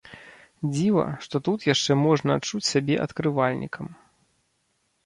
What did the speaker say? Дзіва, што тут яшчэ можна адчуць сябе адкрывальнікам.